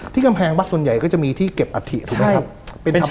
กำแพงวัดส่วนใหญ่ก็จะมีที่เก็บอัฐิถูกไหมครับ